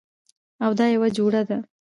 او دا یوه جوړه ده